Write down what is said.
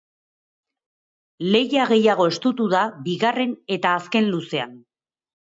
Lehia gehiago estutu da bigarren eta azlen luzean.